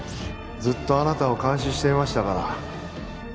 ずっとあなたを監視していましたから